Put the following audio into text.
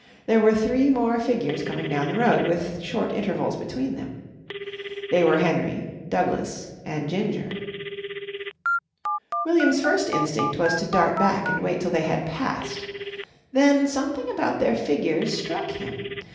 There were three more figures coming down the road, with short intervals between them. They were Henry, Douglas and Ginger. William's first instinct was to dart back and wait till they had passed. Then something about their figures struck him.